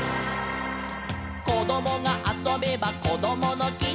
「こどもがあそべばこどものき」